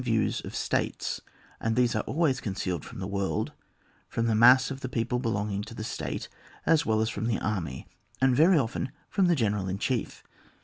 views of states, and these are always con cealed from the world, from the mass of the people belonging to the state, as well as from the army, and very often from the general in chief